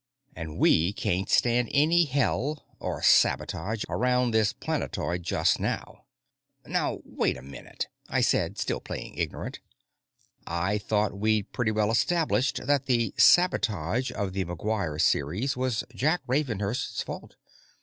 And we can't stand any hell or sabotage around this planetoid just now!" "Now wait a minute," I said, still playing ignorant, "I thought we'd pretty well established that the 'sabotage' of the McGuire series was Jack Ravenhurst's fault.